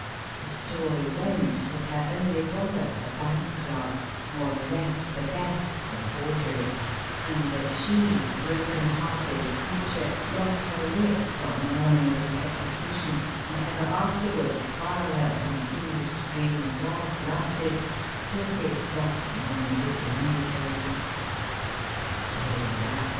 The story went that her only brother, a Bank clerk, was left for death for forgery ; and that she, broken hearted creature, lost her wits on the morning of his execution, and ever afterwards, while her confused dream of life lasted, flitted thus among the busy money changers. A story, alas